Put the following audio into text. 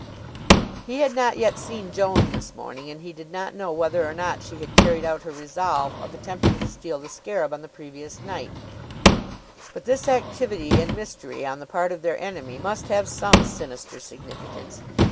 He had not yet seen Joan this morning, and he did not know whether or not she had carried out her resolve of attempting to steal the scarab on the previous night; but this activity and mystery on the part of their enemy must have some sinister significance.